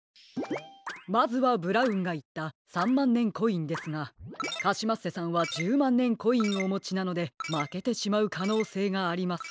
まずはブラウンがいった３まんねんコインですがカシマッセさんは１０まんねんコインおもちなのでまけてしまうかのうせいがあります。